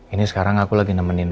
ini sekarang aku lagi nemenin